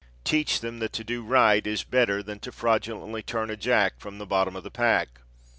Teach them that to do right is better than to fraudulently turn a jack from the bottom of the pack.